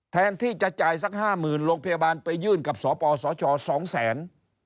แทนที่จะจ่ายสัก๕๐๐๐โรงพยาบาลไปยื่นกับสปสช๒แสน